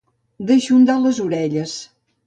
Deixondar les orelles.